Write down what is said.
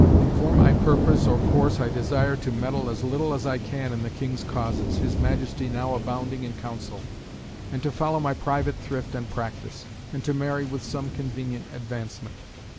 "For my purpose or course I desire to meddle as little as I can in the King's causes, his Majesty now abounding in counsel, and to follow my private thrift and practice, and to marry with some convenient advancement.